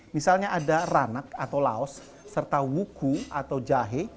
misalnya ada ranak atau laos serta wuku atau jahe